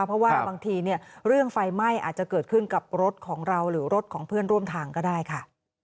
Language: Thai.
เพราะว่าบางทีเนี่ยเรื่องไฟไหม้อาจจะเกิดขึ้นกับรถของเราหรือรถของเพื่อนร่วมทางก็ได้ค่ะ